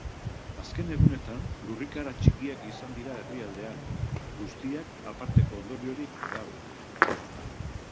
Azken egunetan lurrikara txikiak izan dira herrialdean, guztiak aparteko ondoriorik gabe.